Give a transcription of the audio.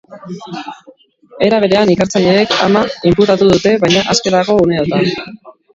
Era berean, ikertzaileek ama inputatu dute, baina aske dago uneotan.